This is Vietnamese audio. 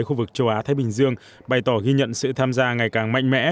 khu vực châu á thái bình dương bày tỏ ghi nhận sự tham gia ngày càng mạnh mẽ